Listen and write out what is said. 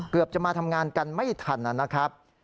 เกือบจะมาทำงานกันไม่ทันนะครับ